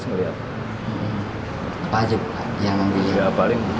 keluarga juga ada di jawa barat